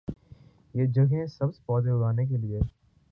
یہ جگہیں سبز پودے اگانے کے لئے